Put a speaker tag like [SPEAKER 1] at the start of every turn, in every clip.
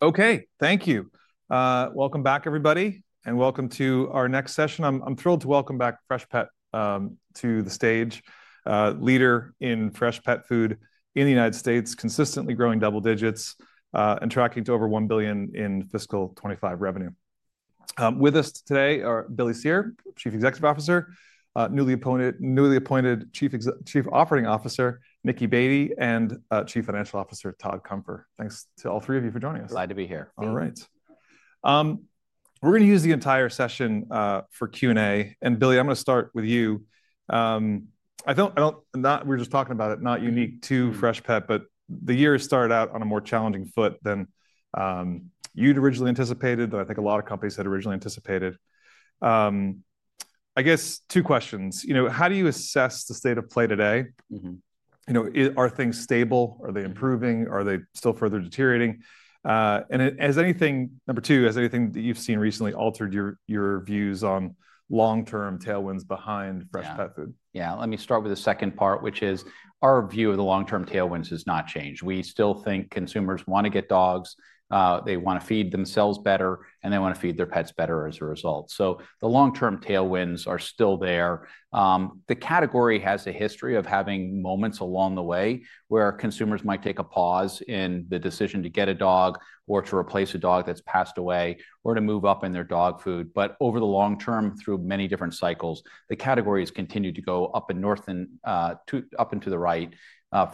[SPEAKER 1] Okay, thank you. Welcome back, everybody, and welcome to our next session. I'm thrilled to welcome back Freshpet to the stage, leader in fresh pet food in the United States, consistently growing double digits, and tracking to over $1 billion in fiscal 2025 revenue. With us today are Billy Cyr, Chief Executive Officer, newly appointed Chief Operating Officer, Nicki Baty, and Chief Financial Officer, Todd Cunfer. Thanks to all three of you for joining us.
[SPEAKER 2] Glad to be here.
[SPEAKER 1] All right. We're going to use the entire session for Q&A. And Billy, I'm going to start with you. I don't—not—we were just talking about it—not unique to Freshpet, but the year has started out on a more challenging foot than you'd originally anticipated, that I think a lot of companies had originally anticipated. I guess two questions. You know, how do you assess the state of play today? You know, are things stable? Are they improving? Are they still further deteriorating? And has anything—number two—has anything that you've seen recently altered your views on long-term tailwinds behind freshpet food?
[SPEAKER 2] Yeah, yeah, let me start with the second part, which is our view of the long-term tailwinds has not changed. We still think consumers want to get dogs, they want to feed themselves better, and they want to feed their pets better as a result. The long-term tailwinds are still there. The category has a history of having moments along the way where consumers might take a pause in the decision to get a dog or to replace a dog that's passed away or to move up in their dog food. Over the long term, through many different cycles, the category has continued to go up and to the right,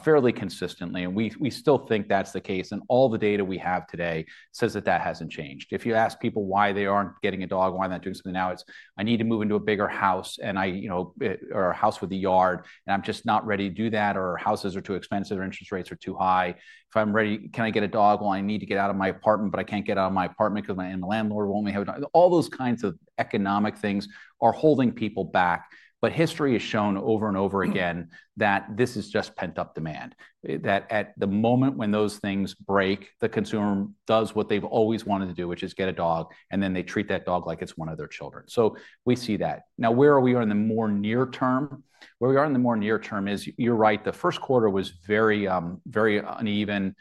[SPEAKER 2] fairly consistently. We still think that's the case. All the data we have today says that that hasn't changed. If you ask people why they aren't getting a dog, why they're not doing something now, it's, "I need to move into a bigger house, and I, you know, or a house with a yard, and I'm just not ready to do that," or, "Houses are too expensive or interest rates are too high. If I'm ready, can I get a dog while I need to get out of my apartment, but I can't get out of my apartment because my landlord won't let me have a dog?" All those kinds of economic things are holding people back. History has shown over and over again that this is just pent-up demand, that at the moment when those things break, the consumer does what they've always wanted to do, which is get a dog, and then they treat that dog like it's one of their children. We see that. Now, where are we on the more near term? Where we are on the more near term is, you're right, the first quarter was very, very uneven.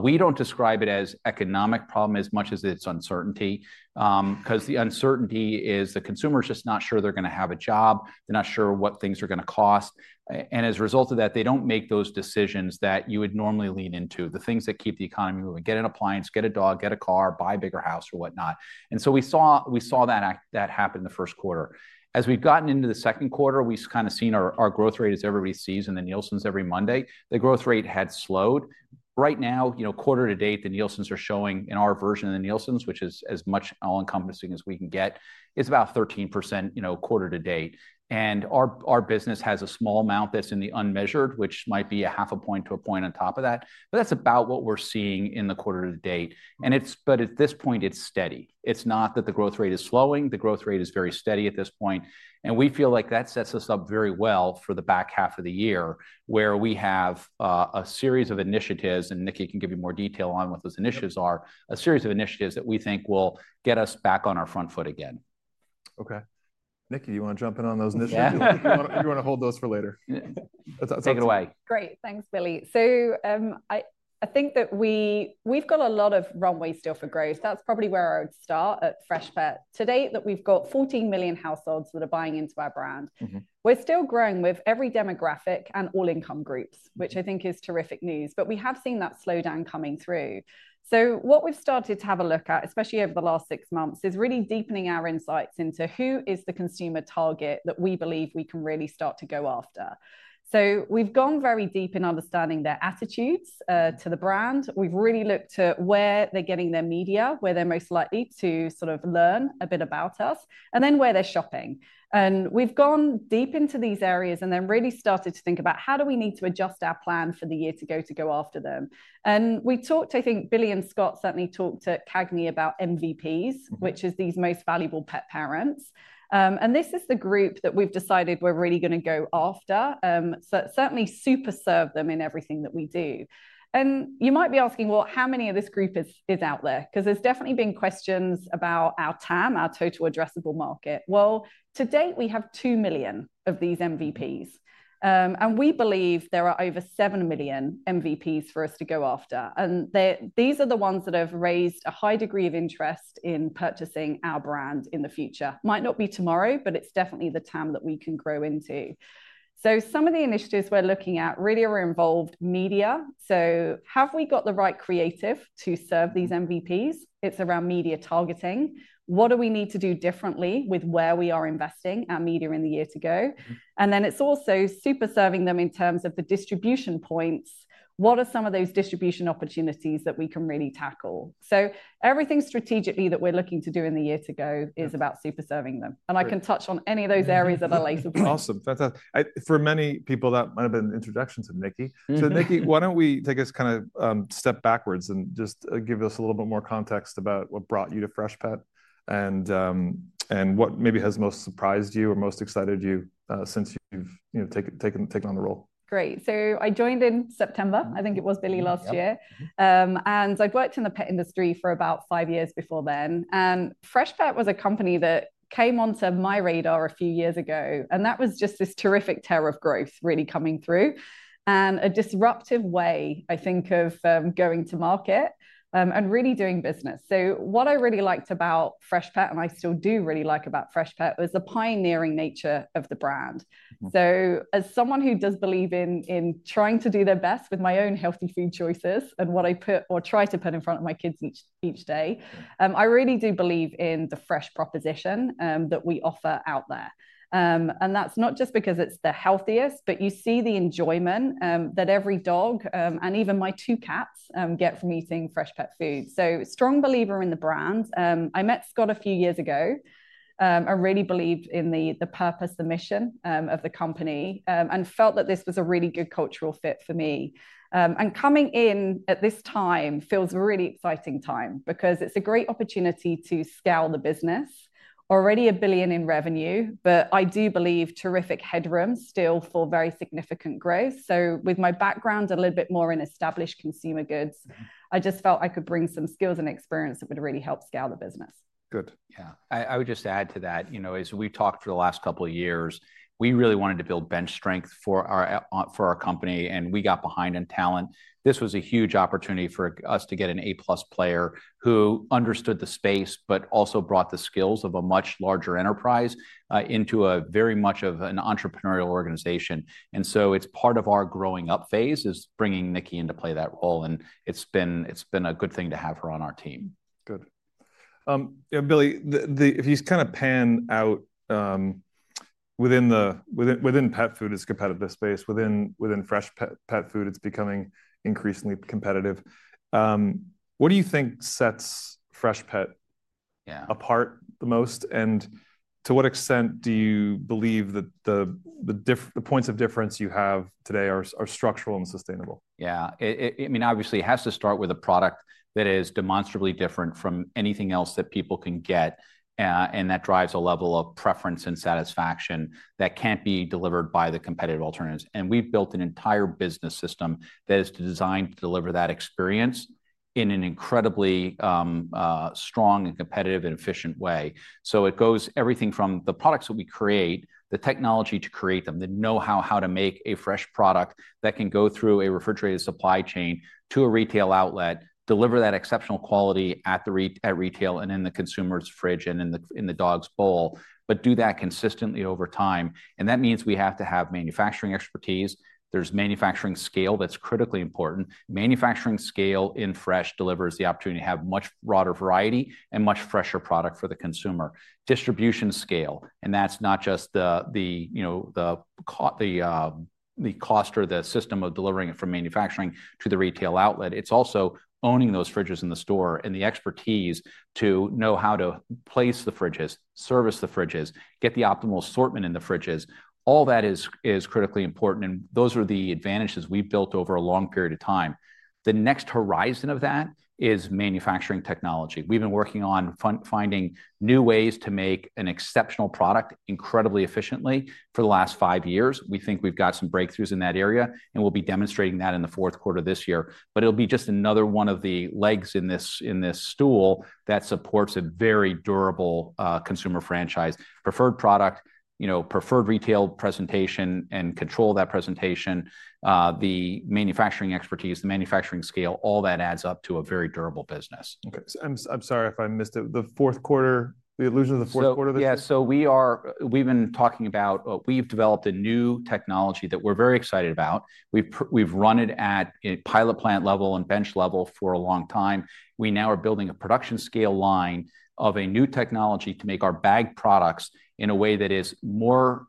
[SPEAKER 2] We don't describe it as an economic problem as much as it's uncertainty, because the uncertainty is the consumer is just not sure they're going to have a job. They're not sure what things are going to cost. As a result of that, they don't make those decisions that you would normally lean into, the things that keep the economy moving: get an appliance, get a dog, get a car, buy a bigger house, or whatnot. We saw that happen in the first quarter. As we've gotten into the second quarter, we've kind of seen our growth rate is every season the Nielsen's every Monday. The growth rate had slowed. Right now, you know, quarter to date, the Nielsen's are showing in our version of the Nielsen, which is as much all-encompassing as we can get, it's about 13%, you know, quarter to date. Our business has a small amount that's in the unmeasured, which might be a half a point to a point on top of that. That's about what we're seeing in the quarter to date. It's steady. It's not that the growth rate is slowing. The growth rate is very steady at this point. We feel like that sets us up very well for the back half of the year, where we have a series of initiatives, and Nicki can give you more detail on what those initiatives are, a series of initiatives that we think will get us back on our front foot again.
[SPEAKER 1] Okay. Nicki, do you want to jump in on those initiatives? You want to hold those for later?
[SPEAKER 2] Take it away.
[SPEAKER 3] Great. Thanks, Billy. I think that we've got a lot of runway still for growth. That's probably where I would start at Freshpet. To date, we've got 14 million households that are buying into our brand. We're still growing with every demographic and all income groups, which I think is terrific news, but we have seen that slowdown coming through. What we've started to have a look at, especially over the last six months, is really deepening our insights into who is the consumer target that we believe we can really start to go after. We've gone very deep in understanding their attitudes to the brand. We've really looked at where they're getting their media, where they're most likely to sort of learn a bit about us, and then where they're shopping. We have gone deep into these areas and then really started to think about how do we need to adjust our plan for the year to go after them. We talked, I think Billy and Scott certainly talked at Cagney about MVPs, which is these most valuable pet parents. This is the group that we have decided we are really going to go after, so certainly super serve them in everything that we do. You might be asking, how many of this group is out there? There have definitely been questions about our TAM, our total addressable market. To date, we have 2 million of these MVPs. We believe there are over 7 million MVPs for us to go after. These are the ones that have raised a high degree of interest in purchasing our brand in the future. Might not be tomorrow, but it's definitely the TAM that we can grow into. Some of the initiatives we're looking at really are involved media. Have we got the right creative to serve these MVPs? It's around media targeting. What do we need to do differently with where we are investing our media in the year to go? It's also super serving them in terms of the distribution points. What are some of those distribution opportunities that we can really tackle? Everything strategically that we're looking to do in the year to go is about super serving them. I can touch on any of those areas at a later point.
[SPEAKER 1] Awesome. Fantastic. For many people, that might have been an introduction to Nicki. So Nicki, why don't we take us kind of step backwards and just give us a little bit more context about what brought you to Freshpet and what maybe has most surprised you or most excited you since you've, you know, taken on the role?
[SPEAKER 3] Great. I joined in September, I think it was, Billy, last year. I had worked in the pet industry for about five years before then. Freshpet was a company that came onto my radar a few years ago. That was just this terrific terror of growth really coming through in a disruptive way, I think, of going to market and really doing business. What I really liked about Freshpet, and I still do really like about Freshpet, was the pioneering nature of the brand. As someone who does believe in trying to do their best with my own healthy food choices and what I put or try to put in front of my kids each day, I really do believe in the fresh proposition that we offer out there. That is not just because it is the healthiest, but you see the enjoyment that every dog and even my two cats get from eating freshpet food. I am a strong believer in the brand. I met Scott a few years ago and really believed in the purpose, the mission of the company, and felt that this was a really good cultural fit for me. Coming in at this time feels a really exciting time because it is a great opportunity to scale the business. Already a billion in revenue, but I do believe terrific headroom still for very significant growth. With my background a little bit more in established consumer goods, I just felt I could bring some skills and experience that would really help scale the business.
[SPEAKER 1] Good.
[SPEAKER 2] Yeah. I would just add to that, you know, as we've talked for the last couple of years, we really wanted to build bench strength for our company, and we got behind in talent. This was a huge opportunity for us to get an A-plus player who understood the space, but also brought the skills of a much larger enterprise into very much of an entrepreneurial organization. It is part of our growing up phase is bringing Nicki into play that role. It has been a good thing to have her on our team.
[SPEAKER 1] Good. Billy, if you kind of pan out within pet food, it's a competitive space. Within fresh pet food, it's becoming increasingly competitive. What do you think sets Freshpet apart the most? To what extent do you believe that the points of difference you have today are structural and sustainable?
[SPEAKER 2] Yeah. I mean, obviously, it has to start with a product that is demonstrably different from anything else that people can get, and that drives a level of preference and satisfaction that can't be delivered by the competitive alternatives. We've built an entire business system that is designed to deliver that experience in an incredibly strong and competitive and efficient way. It goes everything from the products that we create, the technology to create them, the know-how how to make a fresh product that can go through a refrigerated supply chain to a retail outlet, deliver that exceptional quality at retail and in the consumer's fridge and in the dog's bowl, but do that consistently over time. That means we have to have manufacturing expertise. There's manufacturing scale that's critically important. Manufacturing scale in fresh delivers the opportunity to have much broader variety and much fresher product for the consumer. Distribution scale, and that's not just the, you know, the cost or the system of delivering it from manufacturing to the retail outlet. It's also owning those fridges in the store and the expertise to know how to place the fridges, service the fridges, get the optimal assortment in the fridges. All that is critically important, and those are the advantages we've built over a long period of time. The next horizon of that is manufacturing technology. We've been working on finding new ways to make an exceptional product incredibly efficiently for the last five years. We think we've got some breakthroughs in that area, and we'll be demonstrating that in the fourth quarter of this year. It'll be just another one of the legs in this stool that supports a very durable consumer franchise, preferred product, you know, preferred retail presentation and control of that presentation, the manufacturing expertise, the manufacturing scale, all that adds up to a very durable business.
[SPEAKER 1] Okay. I'm sorry if I missed it. The fourth quarter, the illusion of the fourth quarter?
[SPEAKER 2] Yeah. So we are, we've been talking about, we've developed a new technology that we're very excited about. We've run it at pilot plant level and bench level for a long time. We now are building a production scale line of a new technology to make our bagged products in a way that is more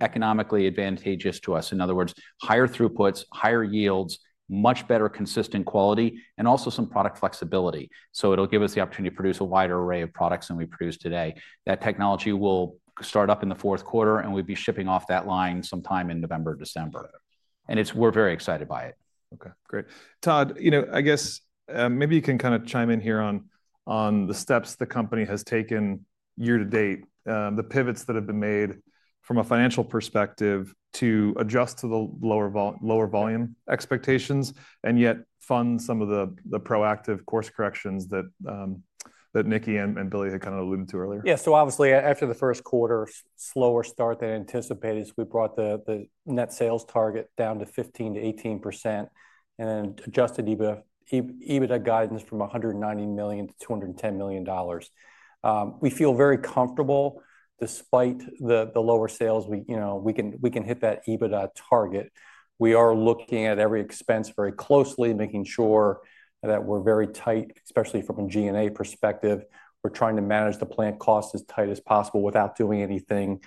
[SPEAKER 2] economically advantageous to us. In other words, higher throughputs, higher yields, much better consistent quality, and also some product flexibility. It will give us the opportunity to produce a wider array of products than we produce today. That technology will start up in the fourth quarter, and we'll be shipping off that line sometime in November, December. We're very excited by it.
[SPEAKER 1] Okay. Great. Todd, you know, I guess maybe you can kind of chime in here on the steps the company has taken year to date, the pivots that have been made from a financial perspective to adjust to the lower volume expectations and yet fund some of the proactive course corrections that Nicki and Billy had kind of alluded to earlier.
[SPEAKER 2] Yeah. Obviously, after the first quarter's slower start than anticipated, we brought the net sales target down to 15%-18% and adjusted EBITDA guidance from $190 million to $210 million. We feel very comfortable despite the lower sales. We can hit that EBITDA target. We are looking at every expense very closely, making sure that we're very tight, especially from a G&A perspective. We're trying to manage the plant costs as tight as possible without doing anything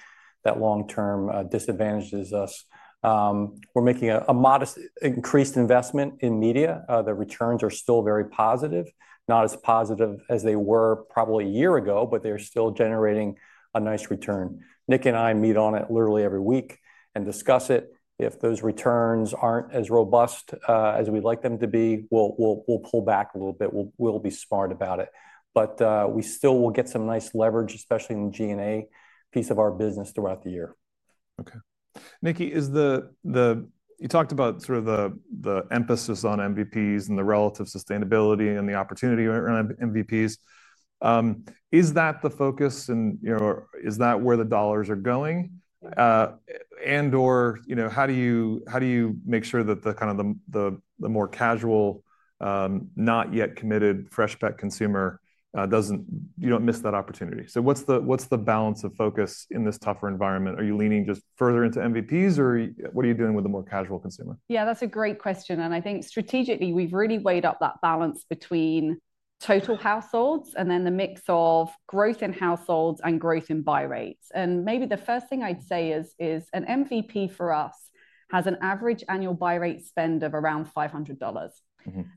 [SPEAKER 2] that long-term disadvantages us. We're making a modest increased investment in media. The returns are still very positive, not as positive as they were probably a year ago, but they're still generating a nice return. Nicki and I meet on it literally every week and discuss it. If those returns aren't as robust as we'd like them to be, we'll pull back a little bit. We'll be smart about it. We still will get some nice leverage, especially in the G&A piece of our business throughout the year.
[SPEAKER 1] Okay. Nicki, you talked about sort of the emphasis on MVPs and the relative sustainability and the opportunity around MVPs. Is that the focus? Is that where the dollars are going? And/or how do you make sure that the kind of the more casual, not yet committed Freshpet consumer doesn't miss that opportunity? What is the balance of focus in this tougher environment? Are you leaning just further into MVPs, or what are you doing with the more casual consumer?
[SPEAKER 3] Yeah, that's a great question. I think strategically, we've really weighed up that balance between total households and then the mix of growth in households and growth in buy rates. Maybe the first thing I'd say is an MVP for us has an average annual buy rate spend of around $500.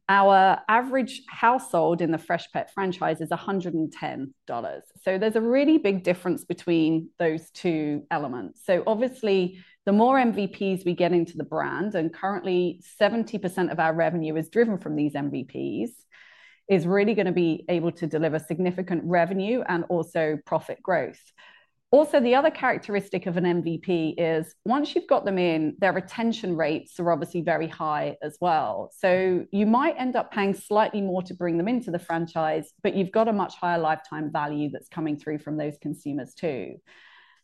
[SPEAKER 3] Our average household in the Freshpet franchise is $110. There's a really big difference between those two elements. Obviously, the more MVPs we get into the brand, and currently 70% of our revenue is driven from these MVPs, is really going to be able to deliver significant revenue and also profit growth. Also, the other characteristic of an MVP is once you've got them in, their retention rates are obviously very high as well. You might end up paying slightly more to bring them into the franchise, but you've got a much higher lifetime value that's coming through from those consumers too.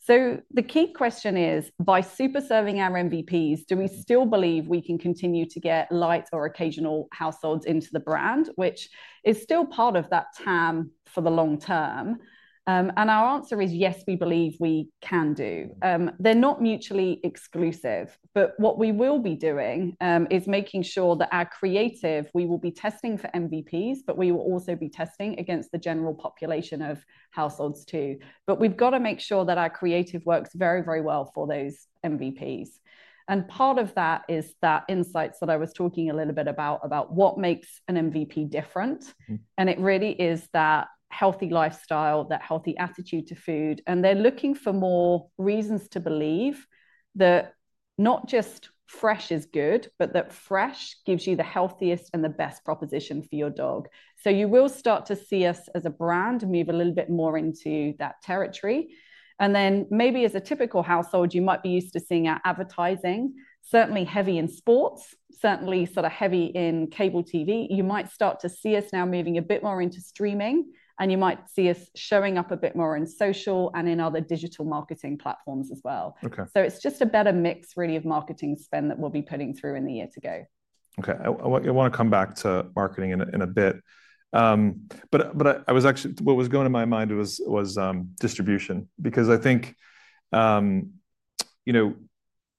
[SPEAKER 3] The key question is, by super serving our MVPs, do we still believe we can continue to get light or occasional households into the brand, which is still part of that TAM for the long term? Our answer is yes, we believe we can do. They're not mutually exclusive. What we will be doing is making sure that our creative, we will be testing for MVPs, but we will also be testing against the general population of households too. We've got to make sure that our creative works very, very well for those MVPs. Part of that is that insight that I was talking a little bit about, about what makes an MVP different. It really is that healthy lifestyle, that healthy attitude to food. They're looking for more reasons to believe that not just fresh is good, but that fresh gives you the healthiest and the best proposition for your dog. You will start to see us as a brand move a little bit more into that territory. Maybe as a typical household, you might be used to seeing our advertising, certainly heavy in sports, certainly sort of heavy in cable TV. You might start to see us now moving a bit more into streaming, and you might see us showing up a bit more in social and in other digital marketing platforms as well. It is just a better mix, really, of marketing spend that we'll be putting through in the year to go.
[SPEAKER 1] Okay. I want to come back to marketing in a bit. What was going on in my mind was distribution because I think, you know,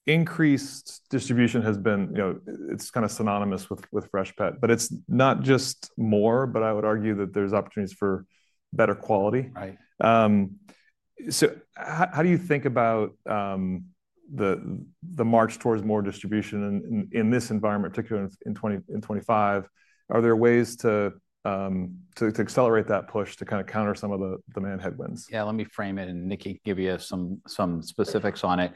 [SPEAKER 1] increased distribution has been, you know, it's kind of synonymous with Freshpet, but it's not just more, but I would argue that there's opportunities for better quality. How do you think about the march towards more distribution in this environment, particularly in 2025? Are there ways to accelerate that push to kind of counter some of the demand headwinds?
[SPEAKER 2] Yeah, let me frame it and Nicki give you some specifics on it.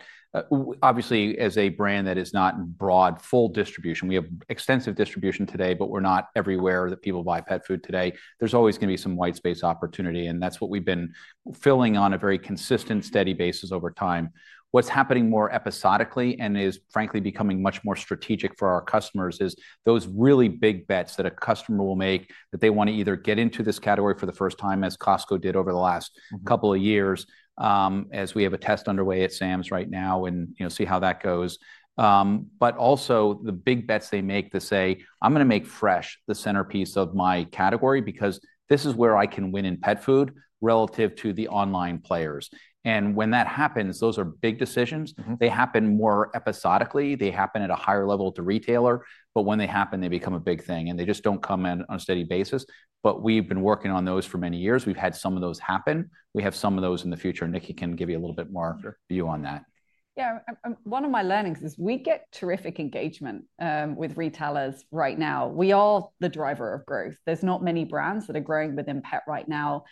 [SPEAKER 2] Obviously, as a brand that is not broad full distribution, we have extensive distribution today, but we're not everywhere that people buy pet food today. There's always going to be some white space opportunity, and that's what we've been filling on a very consistent, steady basis over time. What's happening more episodically and is frankly becoming much more strategic for our customers is those really big bets that a customer will make that they want to either get into this category for the first time, as Costco did over the last couple of years, as we have a test underway at Sam's right now and see how that goes. Also the big bets they make to say, "I'm going to make fresh the centerpiece of my category because this is where I can win in pet food relative to the online players." When that happens, those are big decisions. They happen more episodically. They happen at a higher level to retailer, but when they happen, they become a big thing, and they just do not come in on a steady basis. We have been working on those for many years. We have had some of those happen. We have some of those in the future. Nicki can give you a little bit more view on that.
[SPEAKER 3] Yeah. One of my learnings is we get terrific engagement with retailers right now. We are the driver of growth. There's not many brands that are growing within pet right now.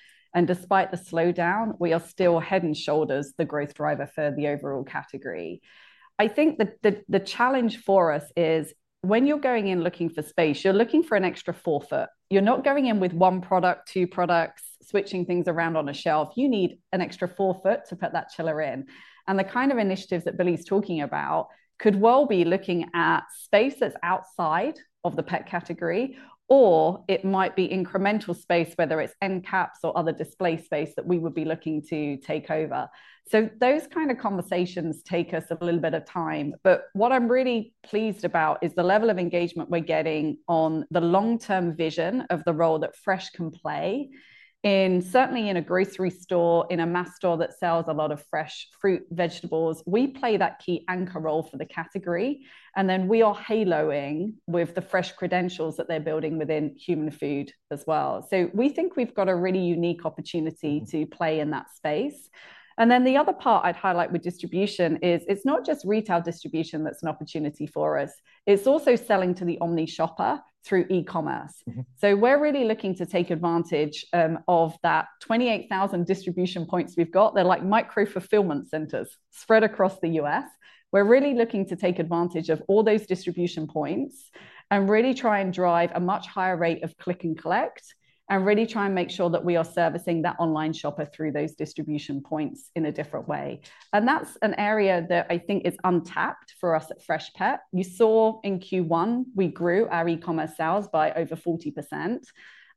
[SPEAKER 3] Despite the slowdown, we are still head and shoulders the growth driver for the overall category. I think the challenge for us is when you're going in looking for space, you're looking for an extra 4 ft. You're not going in with one product, two products, switching things around on a shelf. You need an extra 4 ft to put that chiller in. The kind of initiatives that Billy's talking about could well be looking at space that's outside of the pet category, or it might be incremental space, whether it's end caps or other display space that we would be looking to take over. Those kind of conversations take us a little bit of time. What I'm really pleased about is the level of engagement we're getting on the long-term vision of the role that fresh can play in, certainly in a grocery store, in a mass store that sells a lot of fresh fruit, vegetables. We play that key anchor role for the category. We are haloing with the fresh credentials that they're building within human food as well. We think we've got a really unique opportunity to play in that space. The other part I'd highlight with distribution is it's not just retail distribution that's an opportunity for us. It's also selling to the omni-shopper through e-commerce. We're really looking to take advantage of that 28,000 distribution points we've got. They're like micro fulfillment centers spread across the US. We're really looking to take advantage of all those distribution points and really try and drive a much higher rate of click and collect and really try and make sure that we are servicing that online shopper through those distribution points in a different way. That's an area that I think is untapped for us at Freshpet. You saw in Q1, we grew our e-commerce sales by over 40%.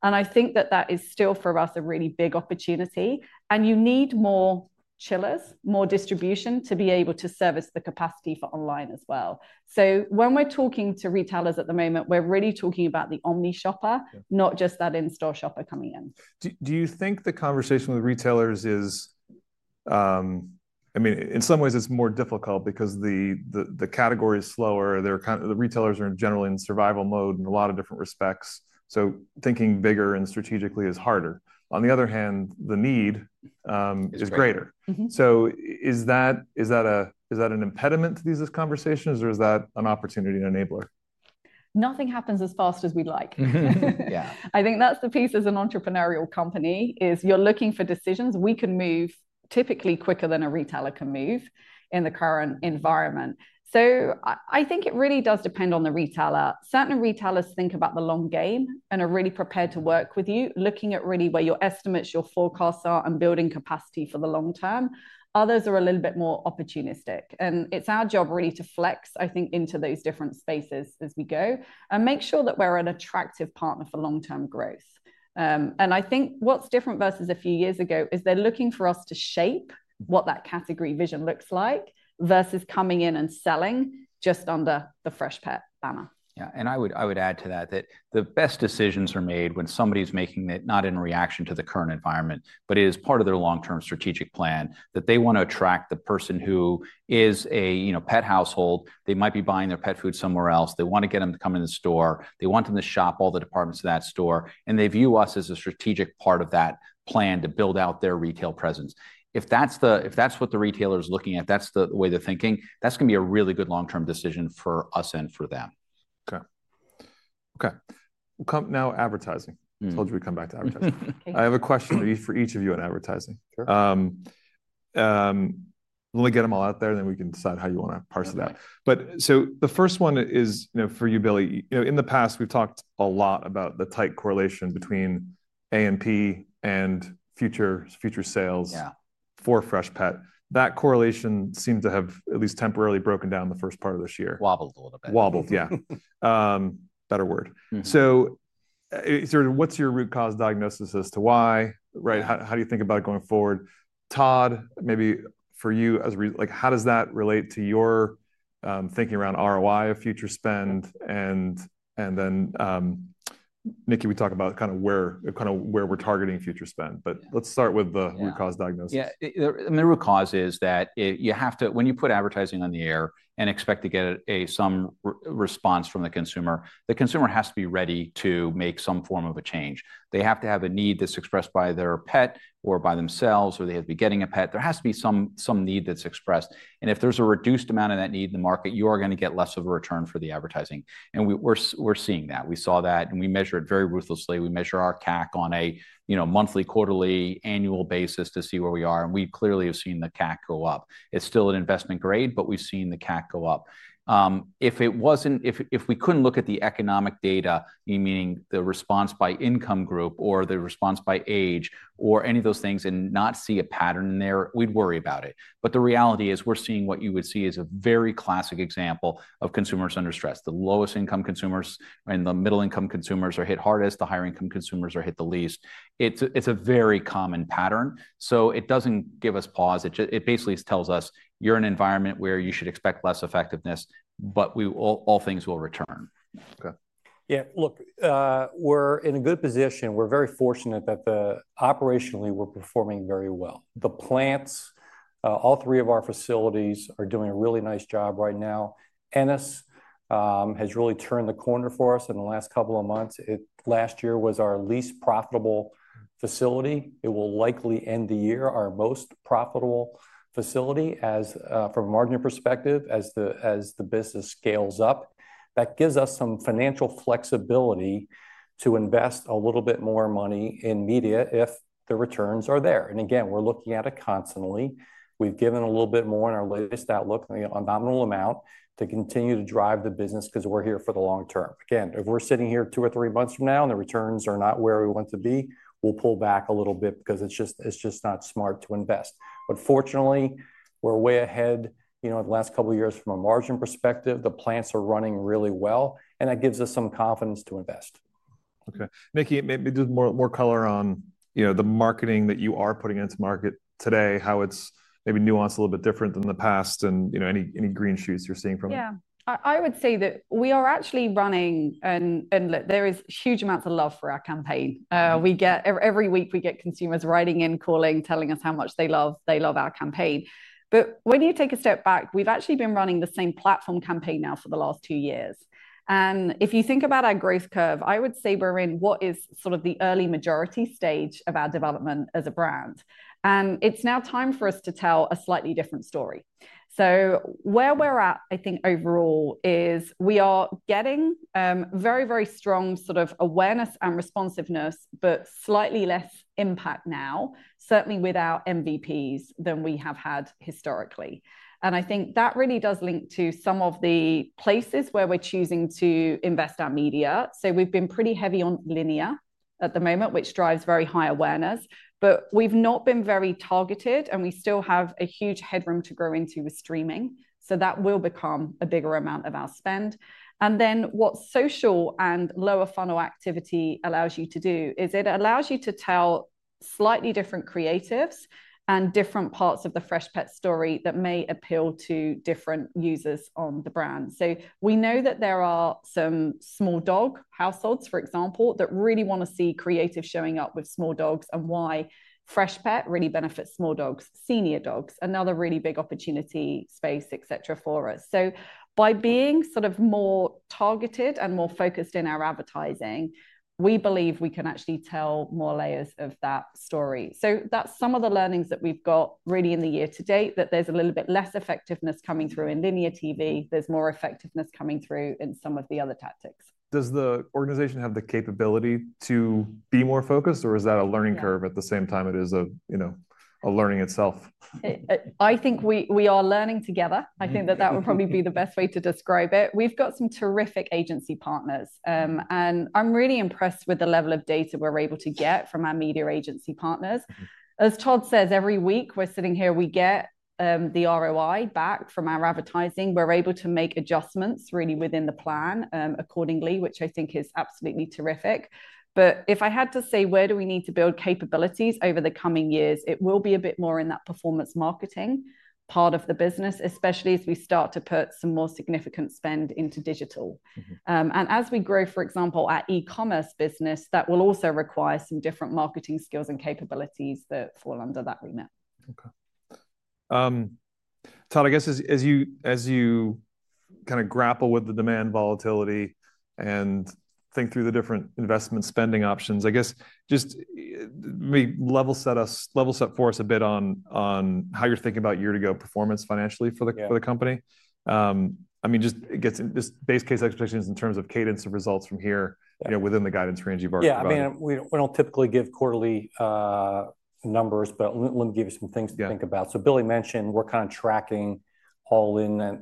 [SPEAKER 3] I think that that is still for us a really big opportunity. You need more chillers, more distribution to be able to service the capacity for online as well. When we're talking to retailers at the moment, we're really talking about the omni-shopper, not just that in-store shopper coming in.
[SPEAKER 1] Do you think the conversation with retailers is, I mean, in some ways, it's more difficult because the category is slower. The retailers are generally in survival mode in a lot of different respects. Thinking bigger and strategically is harder. On the other hand, the need is greater. Is that an impediment to these conversations, or is that an opportunity and enabler?
[SPEAKER 3] Nothing happens as fast as we'd like. Yeah, I think that's the piece as an entrepreneurial company is you're looking for decisions we can move typically quicker than a retailer can move in the current environment. I think it really does depend on the retailer. Certain retailers think about the long game and are really prepared to work with you, looking at really where your estimates, your forecasts are, and building capacity for the long term. Others are a little bit more opportunistic. It's our job really to flex, I think, into those different spaces as we go and make sure that we're an attractive partner for long-term growth. I think what's different versus a few years ago is they're looking for us to shape what that category vision looks like versus coming in and selling just under the Freshpet banner.
[SPEAKER 2] Yeah. I would add to that that the best decisions are made when somebody's making it not in reaction to the current environment, but it is part of their long-term strategic plan that they want to attract the person who is a pet household. They might be buying their pet food somewhere else. They want to get them to come in the store. They want them to shop all the departments of that store. They view us as a strategic part of that plan to build out their retail presence. If that's what the retailer is looking at, that's the way they're thinking, that's going to be a really good long-term decision for us and for them.
[SPEAKER 1] Okay. Okay. We'll come now to advertising. Told you we'd come back to advertising. I have a question for each of you on advertising. Let me get them all out there, and then we can decide how you want to parse it out. The first one is for you, Billy. In the past, we've talked a lot about the tight correlation between A&P and future sales for Freshpet. That correlation seems to have at least temporarily broken down the first part of this year.
[SPEAKER 2] Wobbled a little bit.
[SPEAKER 1] Wobbled, yeah. Better word. What is your root cause diagnosis as to why? How do you think about it going forward? Todd, maybe for you, how does that relate to your thinking around ROI of future spend? And then Nicki, we talk about kind of where we're targeting future spend. Let's start with the root cause diagnosis.
[SPEAKER 2] Yeah. I mean, the root cause is that you have to, when you put advertising on the air and expect to get some response from the consumer, the consumer has to be ready to make some form of a change. They have to have a need that's expressed by their pet or by themselves, or they have to be getting a pet. There has to be some need that's expressed. If there's a reduced amount of that need in the market, you are going to get less of a return for the advertising. We're seeing that. We saw that, and we measure it very ruthlessly. We measure our CAC on a monthly, quarterly, annual basis to see where we are. We clearly have seen the CAC go up. It's still at investment grade, but we've seen the CAC go up. If we couldn't look at the economic data, meaning the response by income group or the response by age or any of those things and not see a pattern in there, we'd worry about it. The reality is we're seeing what you would see as a very classic example of consumers under stress. The lowest income consumers and the middle income consumers are hit hardest. The higher income consumers are hit the least. It's a very common pattern. It doesn't give us pause. It basically tells us you're in an environment where you should expect less effectiveness, but all things will return.
[SPEAKER 1] Okay.
[SPEAKER 4] Yeah. Look, we're in a good position. We're very fortunate that operationally we're performing very well. The plants, all three of our facilities are doing a really nice job right now. Ennis has really turned the corner for us in the last couple of months. Last year was our least profitable facility. It will likely end the year, our most profitable facility from a margin perspective as the business scales up. That gives us some financial flexibility to invest a little bit more money in media if the returns are there. Again, we're looking at it constantly. We've given a little bit more in our latest outlook, a nominal amount to continue to drive the business because we're here for the long term. Again, if we're sitting here two or three months from now and the returns are not where we want to be, we'll pull back a little bit because it's just not smart to invest. Fortunately, we're way ahead in the last couple of years from a margin perspective. The plants are running really well, and that gives us some confidence to invest.
[SPEAKER 1] Okay. Nicki, maybe do more color on the marketing that you are putting into market today, how it's maybe nuanced a little bit different than the past and any green shoots you're seeing from it.
[SPEAKER 3] Yeah. I would say that we are actually running, and there is huge amounts of love for our campaign. Every week we get consumers writing in, calling, telling us how much they love. They love our campaign. When you take a step back, we've actually been running the same platform campaign now for the last two years. If you think about our growth curve, I would say we're in what is sort of the early majority stage of our development as a brand. It's now time for us to tell a slightly different story. Where we're at, I think overall is we are getting very, very strong sort of awareness and responsiveness, but slightly less impact now, certainly with our MVPs than we have had historically. I think that really does link to some of the places where we're choosing to invest our media. We've been pretty heavy on linear at the moment, which drives very high awareness. We've not been very targeted, and we still have a huge headroom to grow into with streaming. That will become a bigger amount of our spend. What social and lower funnel activity allows you to do is it allows you to tell slightly different creatives and different parts of the Freshpet story that may appeal to different users on the brand. We know that there are some small dog households, for example, that really want to see creative showing up with small dogs and why Freshpet really benefits small dogs. Senior dogs, another really big opportunity space, et cetera, for us. By being sort of more targeted and more focused in our advertising, we believe we can actually tell more layers of that story. That's some of the learnings that we've got really in the year to date, that there's a little bit less effectiveness coming through in linear TV. There's more effectiveness coming through in some of the other tactics.
[SPEAKER 1] Does the organization have the capability to be more focused, or is that a learning curve at the same time it is a learning itself?
[SPEAKER 3] I think we are learning together. I think that that would probably be the best way to describe it. We've got some terrific agency partners. I'm really impressed with the level of data we're able to get from our media agency partners. As Todd says, every week we're sitting here, we get the ROI back from our advertising. We're able to make adjustments really within the plan accordingly, which I think is absolutely terrific. If I had to say where do we need to build capabilities over the coming years, it will be a bit more in that performance marketing part of the business, especially as we start to put some more significant spend into digital. As we grow, for example, our e-commerce business, that will also require some different marketing skills and capabilities that fall under that remit.
[SPEAKER 1] Okay. Todd, I guess as you kind of grapple with the demand volatility and think through the different investment spending options, I guess just maybe level set for us a bit on how you're thinking about year-to-go performance financially for the company. I mean, just base case expectations in terms of cadence of results from here within the guidance range you've already provided.
[SPEAKER 4] Yeah. I mean, we do not typically give quarterly numbers, but let me give you some things to think about. Billy mentioned we are kind of tracking all in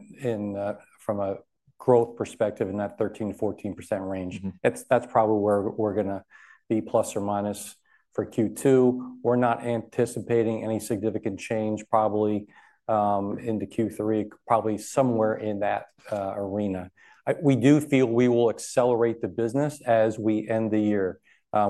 [SPEAKER 4] from a growth perspective in that 13%-14% range. That is probably where we are going to be plus or minus for Q2. We are not anticipating any significant change probably into Q3, probably somewhere in that arena. We do feel we will accelerate the business as we end the year.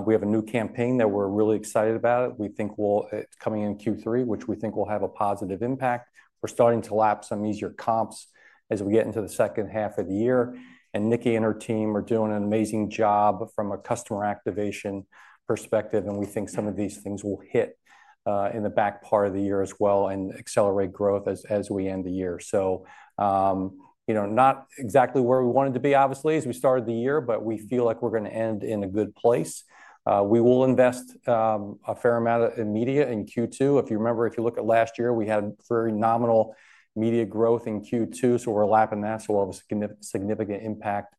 [SPEAKER 4] We have a new campaign that we are really excited about. We think it is coming in Q3, which we think will have a positive impact. We are starting to lapse some easier comps as we get into the second half of the year. Nicki and her team are doing an amazing job from a customer activation perspective. We think some of these things will hit in the back part of the year as well and accelerate growth as we end the year. Not exactly where we wanted to be, obviously, as we started the year, but we feel like we're going to end in a good place. We will invest a fair amount of media in Q2. If you remember, if you look at last year, we had very nominal media growth in Q2. We're lapping that. We'll have a significant impact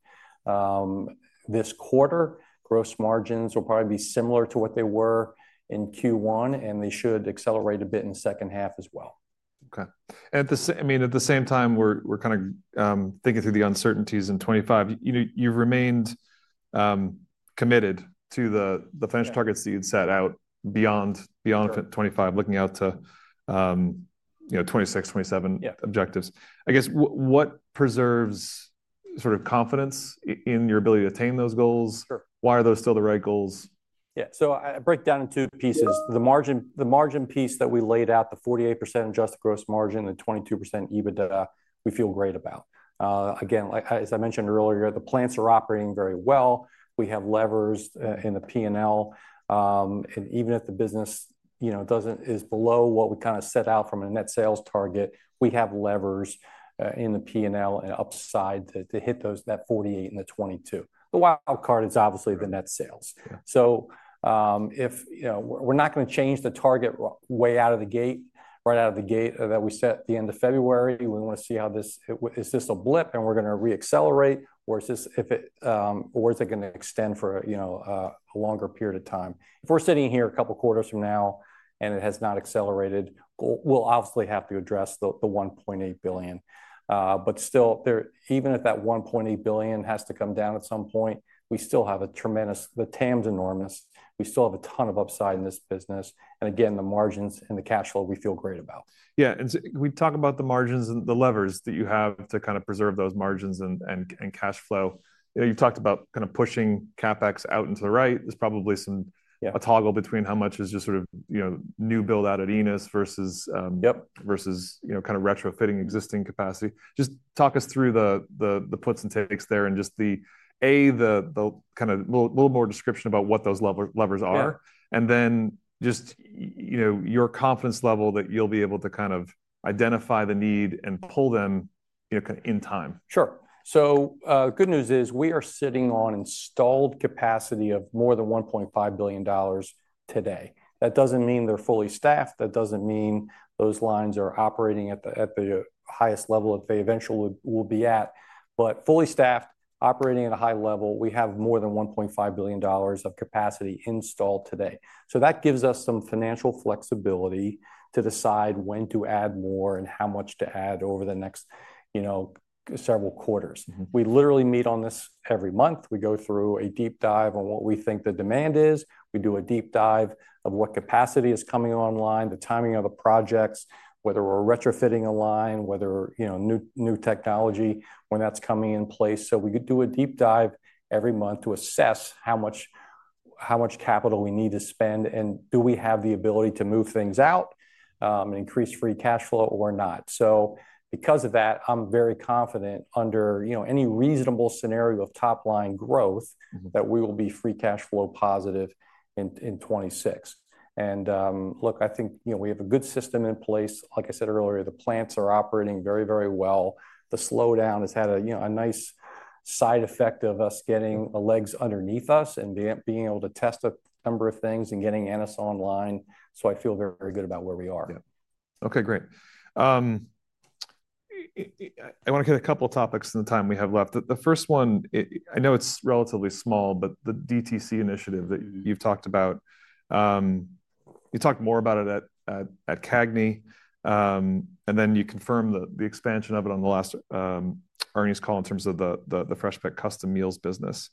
[SPEAKER 4] this quarter. Gross margins will probably be similar to what they were in Q1, and they should accelerate a bit in the second half as well.
[SPEAKER 1] Okay. I mean, at the same time, we're kind of thinking through the uncertainties in 2025. You've remained committed to the financial targets that you'd set out beyond 2025, looking out to 2026, 2027 objectives. I guess what preserves sort of confidence in your ability to attain those goals? Why are those still the right goals?
[SPEAKER 4] Yeah. So I break down in two pieces. The margin piece that we laid out, the 48% adjusted gross margin and 22% EBITDA, we feel great about. Again, as I mentioned earlier, the plants are operating very well. We have levers in the P&L. Even if the business is below what we kind of set out from a net sales target, we have levers in the P&L and upside to hit that 48% in 2022. The wild card is obviously the net sales. We are not going to change the target right out of the gate that we set at the end of February. We want to see how this is—is this a blip, and we are going to re-accelerate, or is it going to extend for a longer period of time? If we're sitting here a couple of quarters from now and it has not accelerated, we'll obviously have to address the $1.8 billion. Still, even if that $1.8 billion has to come down at some point, we still have a tremendous, the TAM's enormous. We still have a ton of upside in this business. Again, the margins and the cash flow, we feel great about.
[SPEAKER 1] Yeah. We talk about the margins and the levers that you have to kind of preserve those margins and cash flow. You talked about kind of pushing CapEx out into the right. There's probably a toggle between how much is just sort of new build-out at Ennis versus kind of retrofitting existing capacity. Just talk us through the puts and takes there and just the, A, the kind of a little more description about what those levers are, and then just your confidence level that you'll be able to kind of identify the need and pull them in time.
[SPEAKER 4] Sure. The good news is we are sitting on installed capacity of more than $1.5 billion today. That does not mean they are fully staffed. That does not mean those lines are operating at the highest level that they eventually will be at. Fully staffed, operating at a high level, we have more than $1.5 billion of capacity installed today. That gives us some financial flexibility to decide when to add more and how much to add over the next several quarters. We literally meet on this every month. We go through a deep dive on what we think the demand is. We do a deep dive of what capacity is coming online, the timing of the projects, whether we are retrofitting a line, whether new technology, when that is coming in place. We do a deep dive every month to assess how much capital we need to spend and do we have the ability to move things out and increase free cash flow or not. Because of that, I'm very confident under any reasonable scenario of top-line growth that we will be free cash flow positive in 2026. I think we have a good system in place. Like I said earlier, the plants are operating very, very well. The slowdown has had a nice side effect of us getting our legs underneath us and being able to test a number of things and getting Ennis online. I feel very good about where we are.
[SPEAKER 1] Yeah. Okay. Great. I want to hit a couple of topics in the time we have left. The first one, I know it's relatively small, but the DTC initiative that you've talked about, you talked more about it at Cagney and then you confirmed the expansion of it on the last earnings call in terms of the Freshpet Custom Meals business.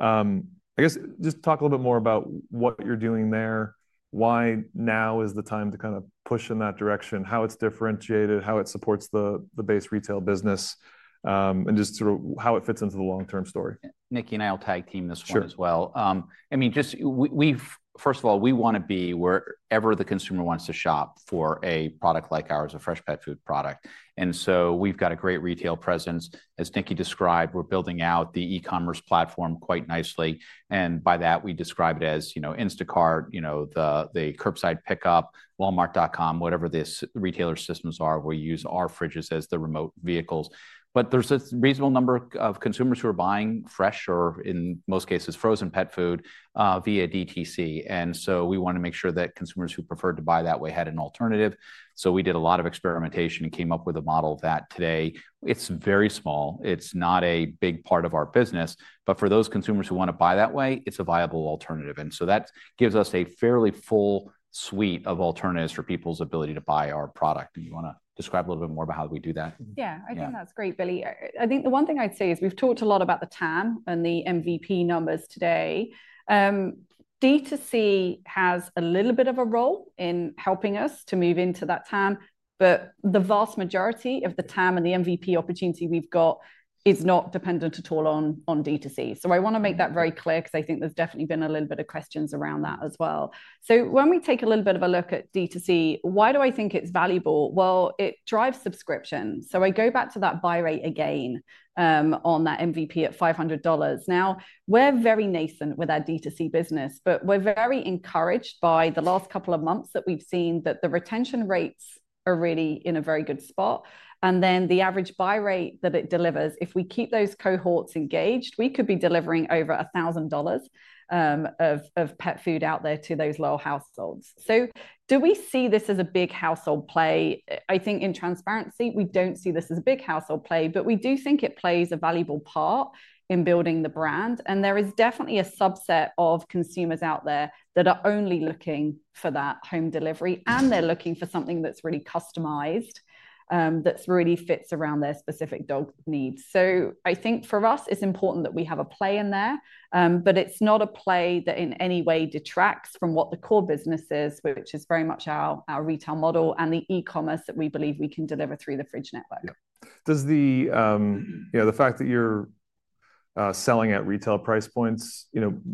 [SPEAKER 1] I guess just talk a little bit more about what you're doing there, why now is the time to kind of push in that direction, how it's differentiated, how it supports the base retail business, and just sort of how it fits into the long-term story.
[SPEAKER 2] Nicki and I will tag team this one as well. I mean, first of all, we want to be wherever the consumer wants to shop for a product like ours, a Freshpet food product. We have a great retail presence. As Nicki described, we're building out the e-commerce platform quite nicely. By that, we describe it as Instacart, the curbside pickup, Walmart.com, whatever the retailer systems are. We use our fridges as the remote vehicles. There is a reasonable number of consumers who are buying fresh or, in most cases, frozen pet food via DTC. We want to make sure that consumers who prefer to buy that way had an alternative. We did a lot of experimentation and came up with a model that today, it's very small. It's not a big part of our business. For those consumers who want to buy that way, it's a viable alternative. That gives us a fairly full suite of alternatives for people's ability to buy our product. You want to describe a little bit more about how we do that?
[SPEAKER 3] Yeah. I think that's great, Billy. I think the one thing I'd say is we've talked a lot about the TAM and the MVP numbers today. DTC has a little bit of a role in helping us to move into that TAM. The vast majority of the TAM and the MVP opportunity we've got is not dependent at all on DTC. I want to make that very clear because I think there's definitely been a little bit of questions around that as well. When we take a little bit of a look at DTC, why do I think it's valuable? It drives subscriptions. I go back to that buy rate again on that MVP at $500. Now, we're very nascent with our DTC business, but we're very encouraged by the last couple of months that we've seen that the retention rates are really in a very good spot. The average buy rate that it delivers, if we keep those cohorts engaged, we could be delivering over $1,000 of pet food out there to those low households. Do we see this as a big household play? I think in transparency, we don't see this as a big household play, but we do think it plays a valuable part in building the brand. There is definitely a subset of consumers out there that are only looking for that home delivery, and they're looking for something that's really customized, that really fits around their specific dog needs. I think for us, it's important that we have a play in there, but it's not a play that in any way detracts from what the core business is, which is very much our retail model and the e-commerce that we believe we can deliver through the fridge network.
[SPEAKER 1] Does the fact that you're selling at retail price points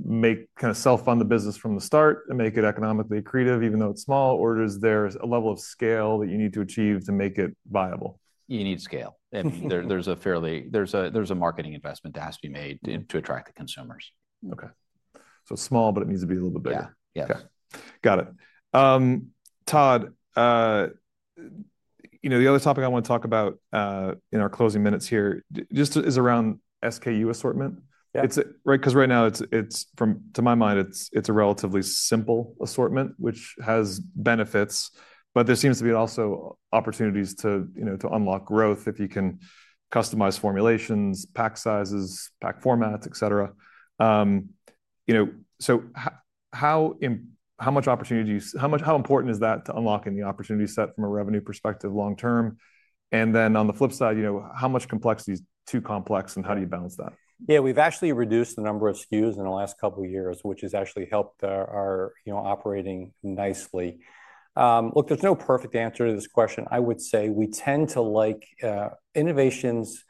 [SPEAKER 1] make kind of self-fund the business from the start and make it economically creative, even though it's small, or is there a level of scale that you need to achieve to make it viable?
[SPEAKER 2] You need scale. There is a marketing investment that has to be made to attract the consumers.
[SPEAKER 1] Okay. So small, but it needs to be a little bit bigger.
[SPEAKER 2] Yeah. Yes.
[SPEAKER 1] Okay. Got it. Todd, the other topic I want to talk about in our closing minutes here is around SKU assortment. Because right now, to my mind, it's a relatively simple assortment, which has benefits, but there seems to be also opportunities to unlock growth if you can customize formulations, pack sizes, pack formats, etc. How much opportunity do you, how important is that to unlocking the opportunity set from a revenue perspective long-term? On the flip side, how much complexity is too complex, and how do you balance that?
[SPEAKER 4] Yeah. We've actually reduced the number of SKUs in the last couple of years, which has actually helped our operating nicely. Look, there's no perfect answer to this question. I would say we tend to like innovation as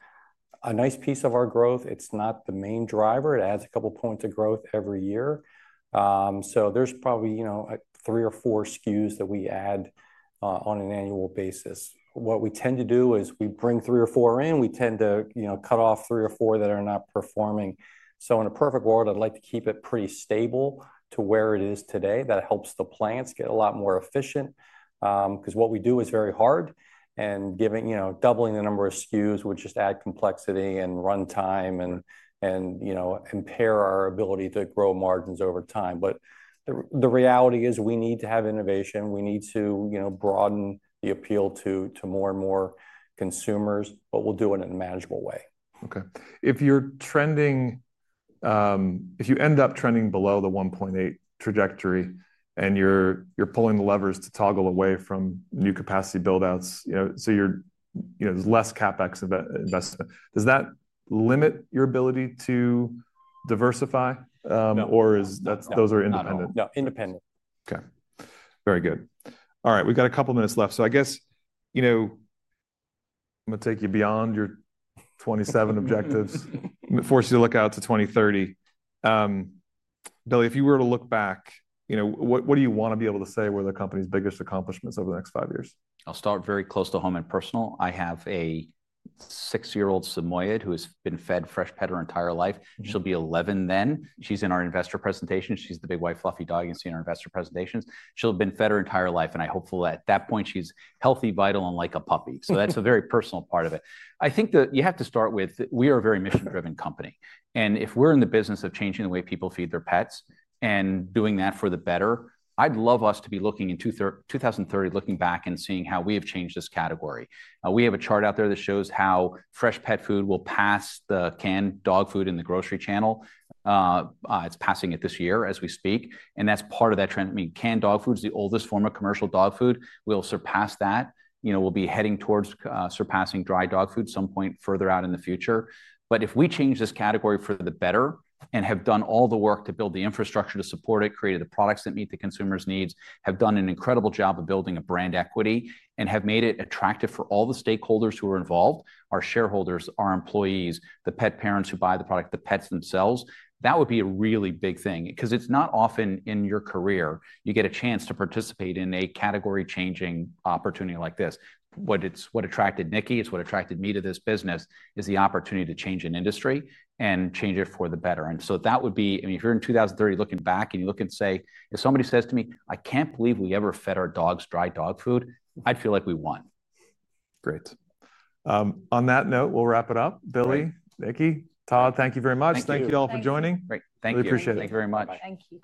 [SPEAKER 4] a nice piece of our growth. It's not the main driver. It adds a couple of points of growth every year. So there's probably three or four SKUs that we add on an annual basis. What we tend to do is we bring three or four in. We tend to cut off three or four that are not performing. In a perfect world, I'd like to keep it pretty stable to where it is today. That helps the plants get a lot more efficient because what we do is very hard. Doubling the number of SKUs would just add complexity and run time and impair our ability to grow margins over time. The reality is we need to have innovation. We need to broaden the appeal to more and more consumers, but we'll do it in a manageable way.
[SPEAKER 1] Okay. If you end up trending below the 1.8 trajectory and you're pulling the levers to toggle away from new capacity build-outs, so there's less CapEx investment, does that limit your ability to diversify, or those are independent?
[SPEAKER 4] No. Independent.
[SPEAKER 1] Okay. Very good. All right. We've got a couple of minutes left. I guess I'm going to take you beyond your '27 objectives, force you to look out to 2030. Billy, if you were to look back, what do you want to be able to say were the company's biggest accomplishments over the next five years?
[SPEAKER 2] I'll start very close to home and personal. I have a six-year-old Samoyed who has been fed Freshpet her entire life. She'll be 11 then. She's in our investor presentation. She's the big white fluffy dog you see in our investor presentations. She'll have been fed her entire life, and I hope at that point she's healthy, vital, and like a puppy. That's a very personal part of it. I think that you have to start with we are a very mission-driven company. If we're in the business of changing the way people feed their pets and doing that for the better, I'd love us to be looking in 2030, looking back and seeing how we have changed this category. We have a chart out there that shows how fresh pet food will pass the canned dog food in the grocery channel. It's passing it this year as we speak. That's part of that trend. I mean, canned dog food is the oldest form of commercial dog food. We'll surpass that. We'll be heading towards surpassing dry dog food at some point further out in the future. If we change this category for the better and have done all the work to build the infrastructure to support it, created the products that meet the consumer's needs, have done an incredible job of building brand equity, and have made it attractive for all the stakeholders who are involved, our shareholders, our employees, the pet parents who buy the product, the pets themselves, that would be a really big thing because it's not often in your career you get a chance to participate in a category-changing opportunity like this. What attracted Nicki, it's what attracted me to this business, is the opportunity to change an industry and change it for the better. That would be, I mean, if you're in 2030 looking back and you look and say, "If somebody says to me, 'I can't believe we ever fed our dogs dry dog food,' I'd feel like we won.
[SPEAKER 1] Great. On that note, we'll wrap it up. Billy, Nicki, Todd, thank you very much. Thank you all for joining.
[SPEAKER 2] Great. Thank you. Thank you very much.
[SPEAKER 3] Thank you.